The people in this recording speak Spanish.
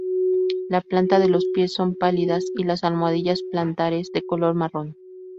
La planta de los pies son pálidas y las almohadillas plantares de color marrón.